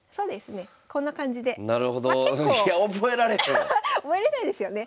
いや覚えれないですよね。